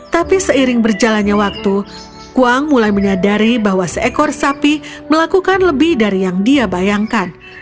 tapi seiring berjalannya waktu kuang mulai menyadari bahwa seekor sapi melakukan lebih dari yang dia bayangkan